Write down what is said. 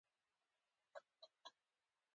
د بادام ګلونه سپین او ګلابي وي